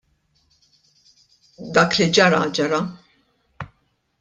Dak li ġara, ġara.